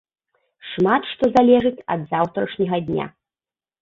Шмат што залежыць ад заўтрашняга дня.